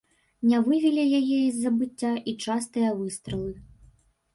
Не вывелі яе з забыцця і частыя выстралы.